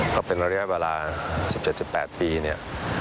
ก็เป็นระยะเวลา๑๗๑๘ปีเนี่ย